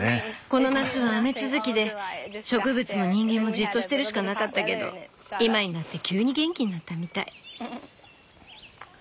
この夏は雨続きで植物も人間もじっとしてるしかなかったけど今になって急に元気になったみたい。